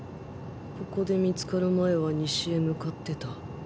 ここで見つかる前は西へ向かってた。